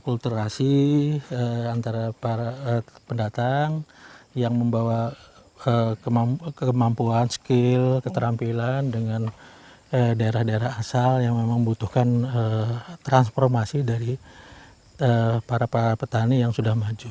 kulturasi antara para pendatang yang membawa kemampuan skill keterampilan dengan daerah daerah asal yang memang membutuhkan transformasi dari para petani yang sudah maju